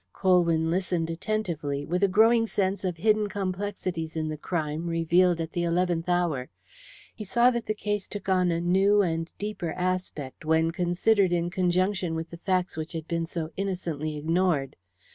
Colwyn listened attentively, with a growing sense of hidden complexities in the crime revealed at the eleventh hour. He saw that the case took on a new and deeper aspect when considered in conjunction with the facts which had been so innocently ignored.